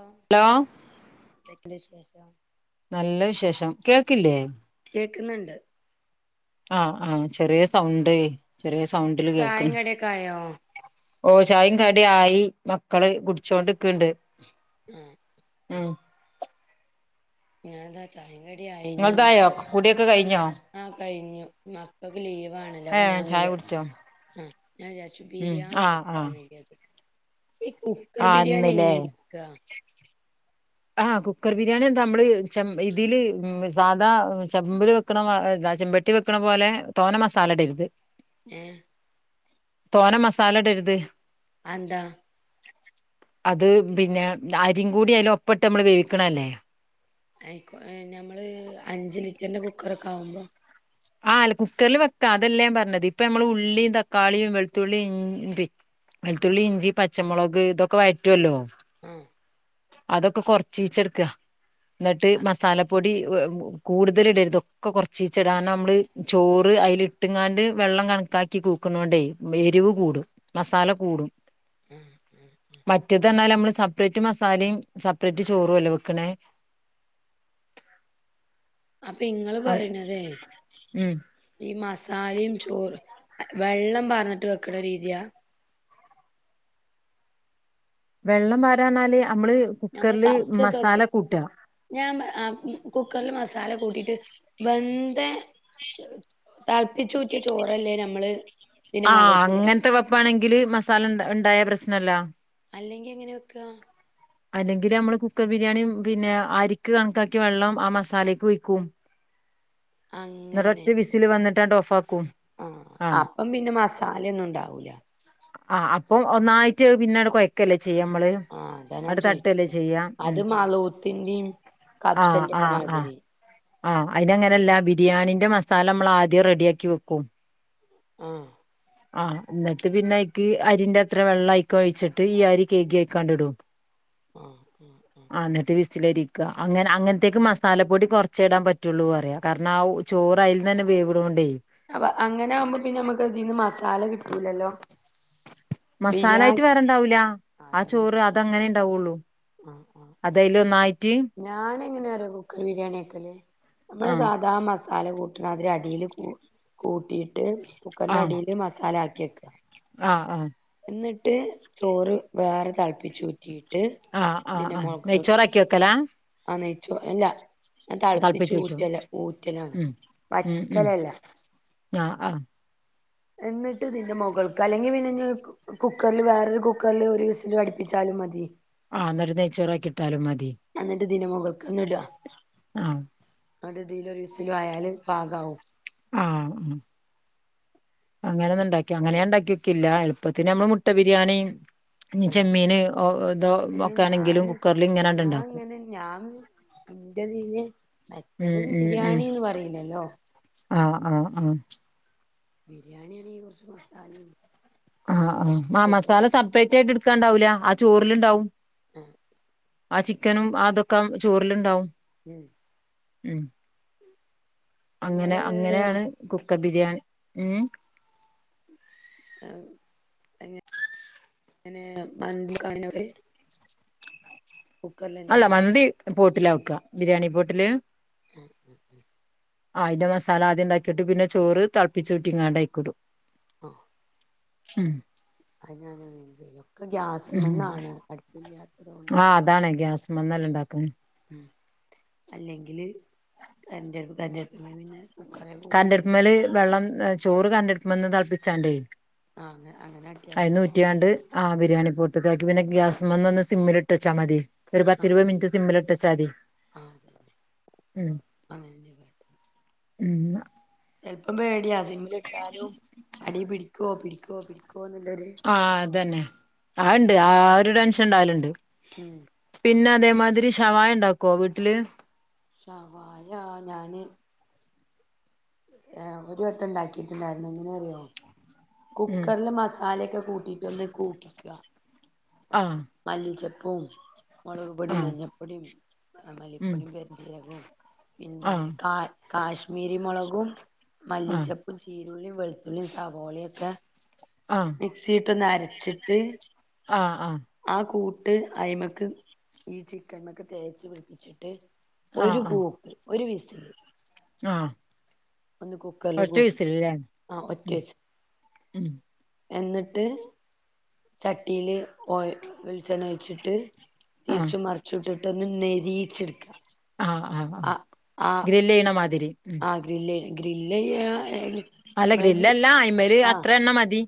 ആഹ് hello എന്തൊക്കെ ഉണ്ട് വിശേഷം നല്ല വിശേഷം കേൾക്കില്ലേ കേക്കുന്നുണ്ട് ആഹ് ആഹ് ചെറിയ സൗണ്ട് ചെറിയ സൗണ്ടില് ചായേം കേൾക്കണ് കടിയൊക്കെ ആയോ ഓ ചായും കടി ആയി മക്കള് കുടിച്ചോണ്ട്ക്കണ്ട് ആഹ് ഉം ഞാൻതാ ചായിംക്കടി ആയിഞ്ഞ നി നിങ്ങൾതായോ കുടിയൊക്കെ കഴിഞ്ഞോ ആഹ് കഴിഞ്ഞു മക്കൾക്ക് ലീവ് ആണല്ലോ അപ്പൊ ഏഹ് ഞാൻ ചായ കുടിച്ചോ [unintelligible] ഉം ബിരിയാണി ആഹ് ആഹ് വെക്കന്ന് വിചാരിച്ചു ഈ കുക്കർ ആഹ് ബിരിയാണി ഇന്ന്ല്ലേ എങ്ങനെയാ വെക്ക ആഹ് കുക്കർ ബിരിയാണി എന്താ നമ്മള് ഇതില് സാധാ ചെമ്പല് വെക്കണ [unintelligible] ചെമ്പെട്ടി വെക്കണ പോലെ തോനെ മസാല ഇടരുത് ഏഹ് തോന മസാല ഇടരുത് അത് എന്താ അത് പിന്നെ അരിയും കൂടി ആയില് ഒപ്പട്ട് നമ്മള് വേവിക്കണ അല്ലേ [unintelligible] ഞമ്മള് അഞ്ച് ലിറ്ററിന്റെ കുക്കറ് ഒക്കെ ആവുമ്പോ ആഹ് അല്ല കുക്കറിൽ വെക്കാം അതെല്ല ഞാൻ പറഞ്ഞത് ഇപ്പ നമ്മള് ഉള്ളിയും തക്കാളിയും വെളുത്തുള്ളിയും വെള്ളുത്തുള്ളി ഇഞ്ചി പച്ചമുളക് ഇതൊക്കെ വറ്റുവല്ലോ ഉം അതൊക്കെ കൊറച്ചീച്ച എടുക്കുക എന്നിട്ട് മസാല പൊടി കൂടുതല ഇടരുതൊക്കെ കുറച്ചിച്ചിടാനോ നമ്മള് ചോറ് അതിൽ ഇട്ടുംങ്ങാണ്ട് വെള്ളം കണക്കാക്കി കൂക്കണണ്ടേ എരിവ് കൂടും മസാല കൂടും ആഹ് മാറ്റത്പറഞ്ഞാൽ നമ്മള് സെപ്പറേറ്റ് മസാലയും സെപ്പറേറ്റ് ചോറും അല്ലെ വെക്കണേ അപ്പൊ ഇങ്ങള് അങ്- പറയണതേ ഉം ഈ മസാലയും ചോറ് വെള്ളം പറഞ്ഞിട്ട് വെക്കണ രീതിയാ വെള്ളം വാരാനാല് നമ്മള് ഞമ്മള് കുക്കറില് കപ്സൊക്കെ വെക്കണ മസാല കൂട്ടുക ഞാൻ കുക്കറിൽ മസാല കൂട്ടിട്ട് വെന്ത താളപ്പിച്ചു ഉറ്റിയ ചോറല്ലേ നമ്മള് ഇതിന്റെ ആഹ് മുകൾക്കിടാ അങ്ങനത്തെ വപ്പാണെങ്കില് മസാല ഉ ഉണ്ടായ പ്രശ്നല്ല അല്ലെങ്കി എങ്ങനെ വെക്കുക അല്ലെങ്കിൽ നമ്മള് കുക്കർ ബിരിയാണി പിന്നെ അരിക്ക് കണക്കാക്കി വെള്ളം ആഹ് മസാലക്ക് ഒഴിക്കും എന്നിട്ട് അങ്ങനെ ഒറ്റ വിസിൽ വന്നിട്ടാണ്ട് ഓഫ് ആക്കും ആഹ് അപ്പം പിന്നെ മസാല ഒന്നും ഉണ്ടാവൂല ആഹ് അപ്പം ഒന്നായിട്ട് പിന്നെ കൊയ്ക്കല്ലേ ചെയ്യ നമ്മള് ആഹ് അതാ ആണ്ട് തട്ടല്ലേ ചോയിച്ചത് ചെയ്യാ അത് ഉം മലൂത്തിന്റെയും ആഹ് കബ്സന്റെ ഒക്കെ ആഹ് ആഹ് മാതിരി ആഹ് അതിനങ്ങനെയല്ല ബിരിയാണീന്റെ മസാല നമ്മൾ ആദ്യം റെഡിയാക്കി വെക്കും അഹ് ആഹ് [unintelligible] പിന്നെക്ക് അരിന്റെ അത്ര വെള്ളം ആയിക്കോ ഒഴിച്ചിട്ട് ഈ അരി കഴുകി അതിലകിടും ആഹ് ആഹ് ആഹ് എന്നിട്ട് വിസ്ൽരിക്കുക അങ്ങനെ അങ്ങനത്തേക്കക്ക് മസാലപ്പൊടി കുറച്ച ഇടാൻ പറ്റുയുള്ളൂ പറയാം കാരണം ആഹ് ചോറ് അയിൽ തന്നെ വേവിടോണ്ടേ അങ്ങനെ ആകുമ്പോ പിന്നെ നമ്മുക്ക് അതിൽന്ന് മസാല കിട്ടൂലല്ലോ ബിരിയാണി മസാലായിട്ട് വേറെണ്ടാവൂല അതാ ആഹ് ഞാൻ ചോറ് ചോയി അത് അങ്ങനെ ഇണ്ടാവുള്ളു ആഹ് ആഹ് ആഹ് അത് അതിൽ ഒന്നായിറ്റി ഞാൻ എങ്ങനെയ കുക്കർ ബിരിയാണിക്കല്ലേ നമ്മള് ആ സാധാ മസാല ല കൂട്ടണം അതി അടിൽ കു കൂട്ടിയിട്ട് കുക്കറിന്റെ അടിൽ മസാല ആക്കി വെക്കുക ആഹ് ആഹ് എന്നിട്ട് ചോറ് വേറെ തിളപ്പിച്ചു ഉ റ്റിയിട്ട് ആഹ് ആഹ് ആഹ് നെയ്ച്ചോറാക്കി വെക്കലാ ആഹ് നെയ്ച്ചോർ അല്ല ഞാൻ തിളുപ്പിച്ചു തളപ്പിച്ചൂറ്റും ഊറ്റല ഊറ്റലാണ് ഉം ഉം ഉം വറ്റിക്കല അല്ല ആ ആ എന്നിട്ട് ഇതിന്റെ മുകൾക്ക് അല്ലെങ്കിൽ പിന്നെ കുക്കറില് വേറൊരു കുക്കറിൽ ഒരു വിസിൽ അടിപ്പിച്ചാലും മതി ആന്നൊര നെയ്ച്ചോറ് ആക്കി കിട്ടാലും മതി എനിട്ട് ഇതിന്റെമുകൾക്ക ഒന്നും ഇട്ടാ ആഹ് [unintelligible] വിസിലും ആയാല് പാഗമാവും ആഹ് അങ്ങനെ ഒന്നണ്ടാക്കി ക്ക്‌ അങ്ങനെ ഞാൻ ഉണ്ടാക്കിക്കില്ല എളുപ്പത്തിന് നമ്മള് മുട്ട ബിരിയാണി ഉം ചെമ്മീന് ഓ ഇതോ ഏഹ് വക്കാണെങ്കിലും ഞാന് കുക്കറിൽ ഇങ്ങനെണ്ട ഞാൻ ഇണ്ടാക്കും ഇങ്ങനെ ഞാൻ ഇന്റെതില് മറ്റത് ഉം ഉം ഉം ബിരിയാണിന്ന് പറയില്ലല്ലോ ആഹ് ആഹ് ആഹ് ബിരിയാണി ആണെങ്കിൽ കുറച്ച് മസാലയും കുറച്ച് ആഹ് ആ് ആ കഷ്ണൊക്കെട്ട് മസാല സെപ്പറേറ്റ് ആയിട്ട് എടുക്കാണ്ടാവില്ല ആ ചോറിലുണ്ടാവും ആഹ് ആ ചിക്കനും ആ അതൊക്കെ ചോറിലുണ്ടാവും മം ഉം അങ്ങനെ ഇങ്ങള് അങ്ങനെയാണ് കുക്കർ ബിരിയാണി ഉം [unintelligible] അല്ല കുക്കറിലെന്നേണോ മന്തി പോട്ടിലാ വെക്ക ബിരിയാണി പോട്ടില് ഉം ഉം ഉം അയിന്റെ മസാല ആദ്യംന്താക്കിട്ട് പിന്നെ ചോറ് തിളപ്പിചൂറ്റി ങാണ്ട് അയിക്ഇടും ആ ഉം അ ഞൻ [unintelligible] ഒക്കെ ഗ്യാസ് മെന്നാണ് അടുപ്പില്ലാത്തതോ ആഹ് അതാണ് ഗ്യാസ് മന്നെല്ല ഉണ്ടാക്കുന്നത് ഉ അല്ലെങ്കില് കരണ്ട് അടുപ്പ പിന്നെ കുക്കറെ കരണ്ട്ണ്ടെടുപുമെല് വെള്ളം ചോറ് കരണ്ട്ണ്ടെടുപ്പമൽന്ന് തിളപ്പിച്ചാണ്ടേ ആ അങ്ങനെ അട്ടിയാ മതി റ്റിയാണ്ട് ആ ബിരിയാണി പൊട്ട്കാക്കി പിന്നെ ഗ്യാസ്മൽന്ന് ഒന്ന് സിമ്മിൽട്ടച്ചാ മതി ഒരു പതിരുവതു മിനിട്ട് സിംമിലിട്ടച്ചാമതി ആ അത് തന്നെ അങ്ങനെ തന്നെ [unintelligible] ഉം ചെലപ്പം പേടിയാ സിമ്മിലിട്ടാലും അടി പിടിക്കുവോ പിടിക്കോ പിടിക്കുവോന്നുള്ളൊരു ആഹ് അതന്നെ ആ ഉണ്ട് ആ ഒരു ടെൻഷൻ ഉണ്ടാവലുണ്ട് ഉം പിന്നെ അതേമാതിരി ഷവായ ഉണ്ടാക്കുവോ വീട്ടില് ഷവായ ഞാന് ഏ ഒരു വട്ടം ഉണ്ടാക്കിയിട്ടുണ്ടായിരുന്നു എങ്ങനെ അറിയോ ഉം കുക്കറില് മസാലയൊക്കെ കൂട്ടിയിട്ട് ഒന്ന് കൂക്കിക ആഹ മല്ലിച്ചെപ്പും മുളക് ആ പൊടിയും മഞ്ഞൾപ്പൊടിയും ഉം മല്ലിപ്പൊടിയും പെരുചീരകവും ആ പിന്നെ കാ കാശ്മീരി മുളകും ആ മല്ലിചെപ്പും ചീരുള്ളിയും വെളുത്തുള്ളിയും സവോളയൊക്കെ ആഹ് മിക്സിട്ട് ഒന്ന് അരച്ചിട്ട് ആഹ് ആഹ് ആ കൂട്ട് അയിമക്ക് ഈ ചിക്കന്മക്ക് തേച്ച് പിടിപ്പിച്ചിട്ട് ആ ഒരു കൂക്ക് ഒരു വിസില് ആഹ് ഒന്ന് കുക്കറില് കൂക്കിറ്റ് ആഹ ഒറ്റ ഉം വിസ് ഉം എന്നിട്ട് ചട്ടീൽ ഓ വെളിച്ചെണ്ണ ഒയിച്ചിട്ട് ആ തിരിച് മറിച്ചു ഇട്ടിട്ട് ഒന്ന് നെരിച്ചെടുക്കാം ആഹ് ആഹ് ആഹ് ഗ്രില്ലെയ്യണ മാതിരി ഉം ഗ്രില്ല ഗ്രില്ലയാ അല്ല നമ്മളെ ഗ്രി ഗ്രില്ലല്ല അയ്മല് ആഹ് അത്ര എണ്ണ മതി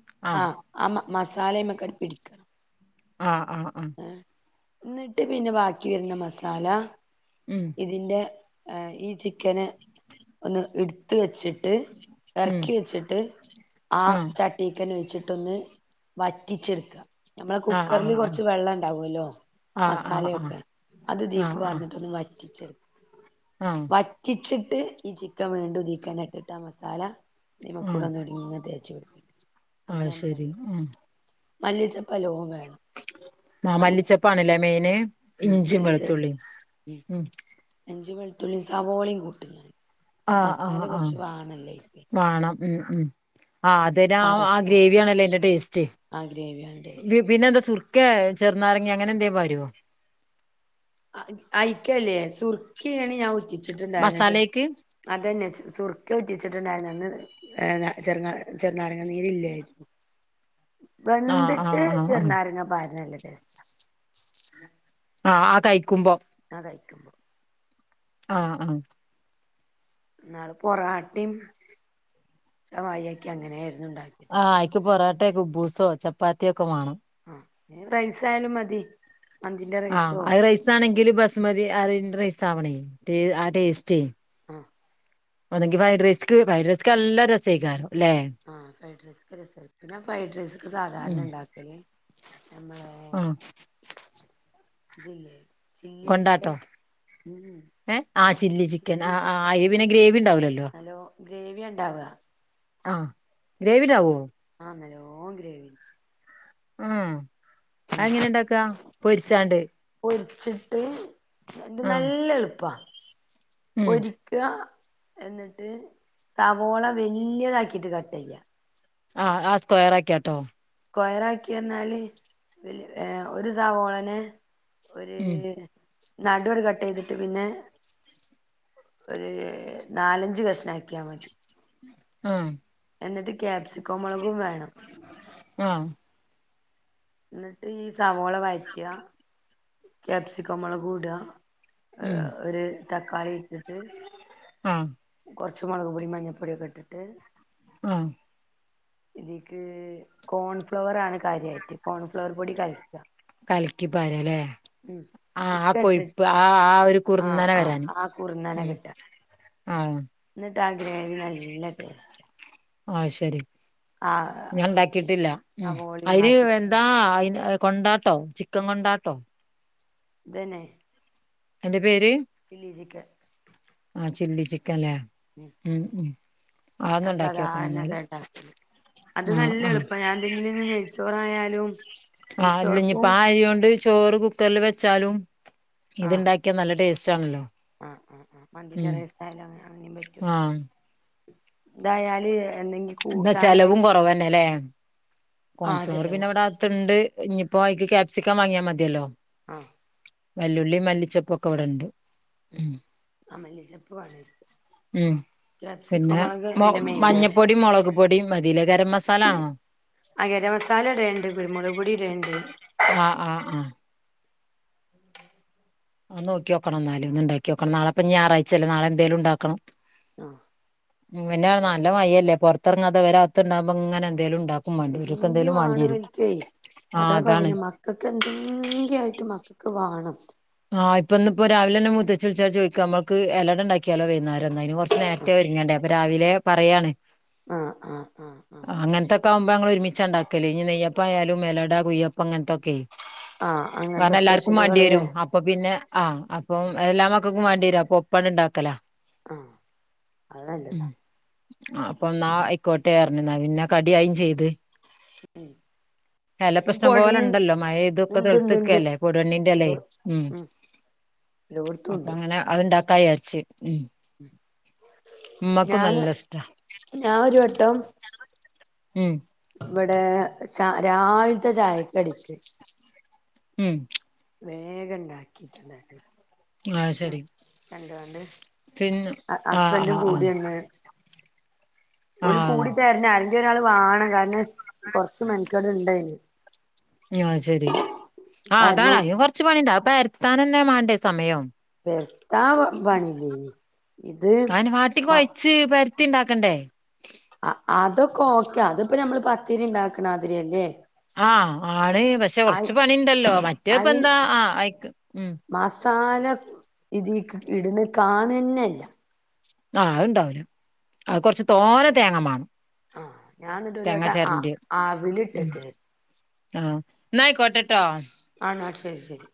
ആഹ് ആ മ മസാല അയിമക് ട് പിടിക്കണം ആ ആ ആ എന്നിട്ട് പിന്നെ ബാക്കി വരണ മസാല ഉം ഇതിന്റെ ഈ ചിക്കന് ഒന്ന് എടുത്ത് വെച്ചിട്ട് ഉം ഇറക്കി വെച്ചിട്ട് ആ ച തീക്കെന്നെ ഒഴിച്ചിട്ടൊന്ന് വറ്റിച്ചെട്ക്കാ ഞമ്മളെ ആഹ് ആഹ് കുക്കറി കൊ ആഹ് കൊർച്ച് വെള്ളണ്ടാവു അല്ലോ ആഹ് ആഹ് ആഹ് മസാലയൊക്കെ അത് തീക്ക് ആഹ് ആഹ് ആഹ് പാർന്നിട്ടൊന്ന് വറ്റിച്ച് ആഹ് വറ്റിച്ച്ട്ട് ഈ ചിക്കൻ വീണ്ടുതീക്കന്നെ ഇട്ട്ട്ടാ മസാല ഐമ കൂടെ ആഹ് ഒന്നൂടങ്ങനെ തേച്ച് പിടിപ്പിക്ക അത് അങ്ങനെ ശരി മല്ലിച്ചപ്പല്ലോം വേണം ആ മല്ലിച്ചപ്പ് മല്ലിച്ചപാണ് ലെ മെയിന് ഉം ഇഞ്ചിയും, വെളുത്തുള്ളി ഉം ഇഞ്ചീം, വെളുത്തുള്ളീം, സാവോളീം കൂട്ടും ആഹ് മസാല ആഹ് ആഹ് കൊർച്ച് വാണല്ല്യേയ്ന് വാണം ഉം ഉം ആഹ് തിനാ ആ ആഹ് കഷ്ണം ഗ്രേവ്യാണല്ലേ ടേസ്റ്റ് ആ ഗ്രേവിയാണ് ടേസ്റ്റ് പിന്നെ എന്താ സുർക്കെ ചെർനാരങ്ങേ അങ്ങനെന്തേലും പാരോ അയ്ക്കല്ലേ സുർക്കേണ് ഞാൻ ഉറ്റിച്ച്ട്ട്ണ്ടായിര്ന്നേ ചെർ മസാലേക്ക് അതന്നെ സുർക്കെ ഒറ്റിച്ച്ട്ട്ണ്ടാര്ന്നേ അന്ന് ഏഹ് ചെർനാ ചെർനാരങ്ങനീരില്ലായിര്ന്നു. ആഹ് വെന്ത്ട്ട് ആഹ് ആഹ് ആഹ് ചെർനാരങ്ങ പാര്ണ നല്ല ടേസ് ആഹ് ആഹ് കയ്ക്കുമ്പം ആഹ് കയ്ക്കുമ്പം ആഹ് ആഹ് ന്നാള് പൊറാട്ടീം ശവായൊക്കെ അങ്ങനായിര്ന്നു ണ്ടാക്ക്യേ ന്ന്ട്ട് പൊറാട്ടേ, ഖുബൂസോ ചപ്പാത്തി ഒക്കെ വേണം ആഹ് റൈസായാലും മതി മന്തിന്റെ ആഹ് റൈസോ അത് റൈസാണെങ്കില് ബസ്മതി അറിന്റെ റൈസാവണേയ് ആ ടേസ്റ്റ് ആഹ് ഒന്ന്ങ്കി ഫ്രൈഡ് റൈസ് ഫ്രൈഡ്റൈസ്ക്ക് നല്ല രസൈക്കാരം ല്ലെ ആഹ് ഫ്രൈഡ് റൈസ്ക്ക്‌ രസയ്ക്കും പിന്നെ ഞാം ഫ്രൈഡ് റൈസ്ക്ക്‌ സാധാരണ ഉം ണ്ടാക്കല് ഞമ്മളെ ആഹ് ത് ല്ലെ ചില്ലി ചിക്കൻ കൊണ്ടാട്ടോ ഉം ഏഹ് ആഹ് ചില്ലി ചിക്കൻ ആഹ് ആഹ് അയ്ൽ പിന്നെ ഗ്രേവി ണ്ടാവൂലല്ലോ നല്ലോം ഗ്രേവ്യാണ്ടാവാ ആഹ് ഗ്രേവിണ്ടാവോ ആഹ് നല്ലോം ഗ്രേവി ഏഹ് അതെങ്ങനെ ണ്ടാക്കാ പൊരിച്ചാണ്ട് പൊര്ച്ച് ട്ട് ഇത് ആഹ് നല്ല എൾപ്പാ ഉം പൊരിക്കാ എന്ന്ട്ട് സവോള വെല്ല്യേതാക്കീട്ട് കട്ടെയ്യാ ആഹ് ആഹ് സ്ക്വയറാക്ക്യാട്ടോ സ്‌ക്വയറാക്ക്യറ്ഞ്ഞാല് ഏഹ് ഒരു സാവോളനെ ഒര് ഉം നടു അട് കട്ട് ചെയ്തിട്ട് പിന്നെ ഒര് നാലഞ്ച് കഷ്ണാക്ക്യാ മതി അഹ് ന്നിട്ട് ക്യാപ്സിക്കോമൊളകും വേണം. വേണോ ന്ന്ട്ട് ഈ സവാോള വയറ്റാ ക്യാപ്സിക്കം മോളകും ഇടാ ഏ ഉം ഒര് തക്കാളി ഇട്ട്ട്ട് ആഹ് കുർച്ച് മൊളക് പൊടി, മഞ്ഞപ്പൊടി ഒക്കെ ഇട്ട്ട്ട് ആഹ് ഇതീക്ക് കോൺഫ്ലവറാണ് കാര്യായ്റ്റ് കോൺഫ്ലവറ് പൊടി കലക്കി കലിക്കി പാര്ലേ ആഹ് ചിക്കൻ ഇട്ടിട്ട് കൊഴിപ്പ് ആഹ് ആഹ് ഒര് ആ കുർന്നനെ ആ വരാന് ആ ഉം ആഹ് ന്ന്ട്ടാ ഗ്രേവി നല്ല ടേസ്റ്റ് അഹ് ശെരി ആ ഞാൻ ഇണ്ടാക്കിട്ടില്ല ഉം സവോളയും ആ അയ്ന് എന്താ ചിക്കനും അയ്ന് കൊണ്ടാട്ടോ ചിക്കെൻകൊണ്ടാട്ടോ? ഇതെന്നേ അയ്‌ന്റെപേര് ഫില്ലിജ്ക്കെ ആഹ് ചില്ലിചിക്കെൻലേ [unintelligible] ഉം ഉം ഞാന് ഉണ്ടാക്കി നോക്കണം സാധാണത എന്നാല് ഇണ്ടാക്കല് അത് ആഹ് ന്നല്ലേ ആഹ് എളുപ്പഞാൻ മിന്നേന്ന് ന്നെയ്ച്ചോറായാലും. ആഹ് അല്ലഞ്ഞിപ്പോ ആ അരിയോണ്ട് ചോറ്കുക്കറിൽ വെച്ചാലും ആ ഇത്ണ്ടാക്കിയന്നല്ലേ ടെസ്റ്റ്‌ആണല്ലോ. ആഹ്, അഹ് അഹ് മന്തിന്റെറെയ്സായാലും അങ്ങ അങ്ങനിം പറ്റും. ആഹ് ഇതാല് എന്നെങ്കി എന്താ ചെലെവും കൊറെവെന്നെലേ. ആഹ് കോൺഫ്ലോവർ ചെലവും പിന്നെഇവടെ അകത്തുണ്ട് ഇഞ്ഞിപ്പോ ആയ്ക്ക് ക്യാപ്സിക്കം വാങ്ങിയാമതിയല്ലോ? അഹ് വല്ലുള്ളി മല്ലിചൊപ്പൊക്കെഇവടണ്ട്. ഉം ആഹ് മല്ലിചപ്പ് വാണയ്ക്ക്. ഉം പിന്നെ മോ മെയിനാണ് മഞ്ഞപ്പൊടിം മൊളക് പൊടിയമതിലെ ഗരംമസാവാണോ? ആഹ് ഗരംമസാലയിടെണ്ട് കുരുമുളക് പൊടിയിടെണ്ട്. ആഹ് ആഹ് ആഹ് അനോക്കിയോക്കണംന്നാലും ഒന്ന് ഇണ്ടാക്കിയോക്കണം ന്നാളെപ്പെഞ്ഞി ഞായറാഴ്ചല്ലേ നാളെന്തായാലും ഇണ്ടാക്കണം. ആഹ് ഉംപിന്നെ അതെ ന്നല്ലേ മയല്ലേ പുറത്തിറങ്ങാത്തെവരെ അകത്ത്ണ്ടാവുമ്പോ ഇങ്ങനെ എന്തേലുംഇണ്ടാക്കും. എന്തെങ്കിവാണംഇവൽക്കെയ് ആഹ് അതാ അതാണ് പറഞ്ഞ മ മക്കൾക്ക് എന്തെങ്കി ആയ്ട്ട് മക്കൾക്ക് വാണം. ആഹ് ഇപ്പൊന്ന്പ്പോ രാവിലെന്നെ മൂത്തച്ചി വിളിച്ചാചോയ്ക്ക അമ്മക്ക് എലട ഇണ്ടാക്കിയാലോ വെയ്ന്നേരം അയ്ന് കൊർച്ച് നേര് തേ ഒരുങ്ങണ്ടേ അപ്പൊരാവിലെ പറയാണ്. ആഹ് ആഹ് ആഹ് ആഹ് അങ്ങനത്തൊക്കആകുമ്പോ ഞങ്ങൾ ഒരുമിച്ചഇണ്ടാക്കല് ഇഞ്ഞി നെയ്യപ്പയാലും, എലട, കുയ്യപ്പം അങ്ങന്തൊക്കെ ആഹ് അങ്ങനത്തെ പതെല്ലാർക്കും സ്പെഷ്യലുകള്ല്ലേ മാണ്ടിവെരും. അപ്പ് അപ്പൊപിന്നെ ആ അപ്പൊ എല്ലാമക്കൾക്കുംമാണ്ടിവെരും അപ്പൊ ഒപ്പണ്ഇണ്ടാക്കല. ആഹ് അത് ന്നല്ലെത. അപ്പൊ ന്നാ ആയ്ക്കോട്ടെർഞ്ഞു ന്ന പിന്നെ കടിയായിംചെയ്ത്. ഉം എലപ്പോ ഇപ്പൊ ഇഷ്ട്ടംപോലെ ഉടനെ ഇണ്ട് ഇണ്ടല്ലോ മയെയ്യ്ത് തെൾഞ്ഞ് ഇണ്ട് ഇണ്ട് നിക്കല്ലേ എല്ലോ പൊടുവണ്ണിന്റെഎലെയ്. ഉം എല്ലോട്ത്തുണ്ട് അപ്പഅങ്ങനെ അത്ണ്ടാക്കാ വിചാരിച്ച് ഉം ഇമ്മക്കും ഞാന് ന്നല്ലേഇഷ്ട്ട ഞാൻ ഒരു ഉം ഇവടെ ച രാവിൽത്തെ ചായക്കടിക്ക്. ഉം വേഗം ഇണ്ടാക്കിട്ടുണ്ടായിരുന്നു ആഹ് കൊർച്ച് ശരി കണ്ട്കാണ്ട്. പിന്നെ അ ആഹ് ആഹ് ആഹ് അസ്ബെന്റുംകൂടിന്ന് ഓല് ആഹ് കൂടിതെർണം അയ്ന്റൊരാൾ മാണം കാരണം കൊർച്ച്മെനക്കേട് ഇണ്ടായ്ന്. അഹ്ശെരി ആഹ് അതാണ് കാരണം അയ്ന് കൊർച്ച് പണിണ്ട് [unintelligible] മാണ്ടേസമയം. പെര്ത്താൻ പണിയില്ലെയ്നി ഇത് അയിന് മ [unintelligible] ഇണ്ടാക്കണ്ടേ ആഹ് അതൊക്കെ ഓക്കെ അതിപ്പ നമ്മള് പത്തിരി ഉണ്ടാക്കണാതിരി അല്ലേ ആഹ് ആണ് പക്ഷെ കൊർച്ച് പണിണ്ടല്ലോ മറ്റേ അയിന് ഇപ്പന്താ ആ അയിക്ക് ഉം മസാല ഇതീക്ക് ഇട്ണ കാണന്നല്ല ആഹ് അത്ണ്ടാവൂല അത് കൊർച്ച് തോന തേങ്ങ മാണം. ആഹ് ഞാൻ ഇത് ഒരു വട്ട തേങ്ങ ആഹ് ചെരണ്ടിയെ ഉം ആവിലിട്ടെക്കെ ആഹ് ന്നയ്കോട്ട ട്ടോ ആണോ ശെരി, ശെരി.